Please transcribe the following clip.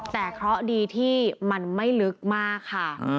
แต่เคราะห์ดีที่มันไม่ลึกมากค่ะ